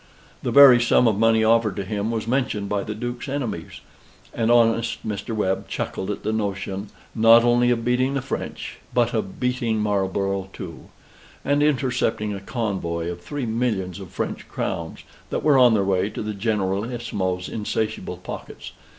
The very sum of money offered to him was mentioned by the Duke's enemies; and honest Mr. Webb chuckled at the notion, not only of beating the French, but of beating Marlborough too, and intercepting a convoy of three millions of French crowns, that were on their way to the Generalissimo's insatiable pockets.